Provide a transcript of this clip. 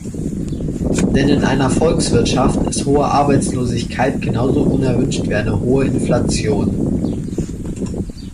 Denn in einer Volkswirtschaft ist hohe Arbeitslosigkeit genauso unerwünscht wie eine hohe Inflation.